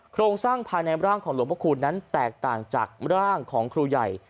โครงสร้างภายในร่างของหลวงพระคูณนั้นแตกต่างจากร่างของครูใหญ่